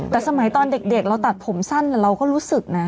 แต่สมัยตอนเด็กเราตัดผมสั้นเราก็รู้สึกนะ